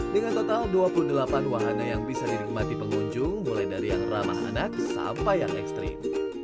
dengan total dua puluh delapan wahana yang bisa dinikmati pengunjung mulai dari yang ramah anak sampai yang ekstrim